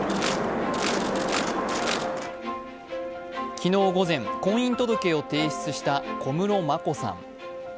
昨日午前、婚姻届を提出した小室眞子さん。